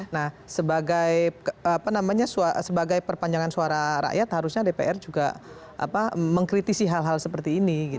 nah sebagai perpanjangan suara rakyat harusnya dpr juga mengkritisi hal hal seperti ini